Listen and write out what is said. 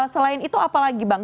selain itu apalagi bang